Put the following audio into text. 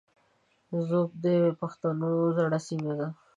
ږوب د پښتنو زړه سیمه ده